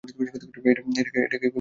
এটা কী দুঃস্বপ্ন ছিল?